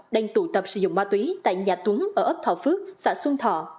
đang tụ tập sử dụng ma túy tại nhà tuấn ở ấp thọ phước xã xuân thọ